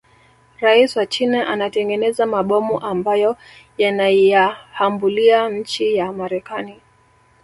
Raisi wa china anatengeneza mabomu ambayo yanaiahambulia nchi ya marekani